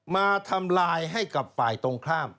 มาทำลายให้กับฝ่ายตรงข้าม